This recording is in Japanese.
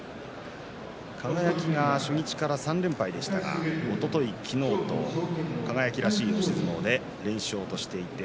輝が初日から３連敗でしたがおととい、昨日と輝らしい押し相撲で連勝としています。